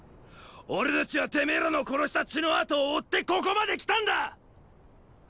俺たちはてめェらの殺した血の跡を追ってここまで来たんだ！？